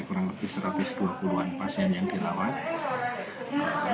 bahkan saat ini ada kurang lebih satu ratus dua puluh an pasien yang dilawat